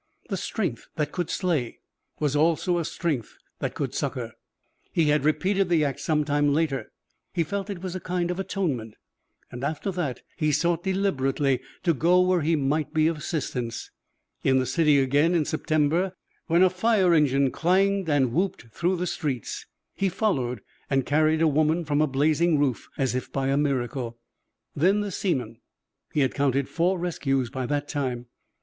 The strength that could slay was also a strength that could succour. He had repeated the act some time later. He felt it was a kind of atonement. After that, he sought deliberately to go where he might be of assistance. In the city, again, in September, when a fire engine clanged and whooped through the streets, he followed and carried a woman from a blazing roof as if by a miracle. Then the seaman. He had counted four rescues by that time.